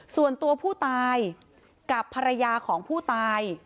ส่วนตัวผู้ตายกับภรรยาของผู้ตาย